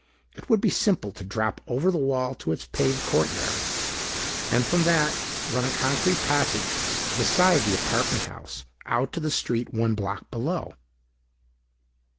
It would be simple to drop over the wall to its paved courtyard. And from that ran a concrete passage beside the apartment house out to the street one block below.